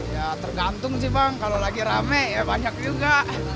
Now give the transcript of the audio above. ya tergantung sih bang kalau lagi rame ya banyak juga